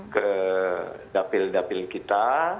ke dapil dapil kita